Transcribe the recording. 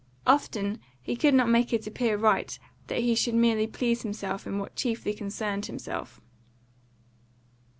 Often he could not make it appear right that he should merely please himself in what chiefly concerned himself.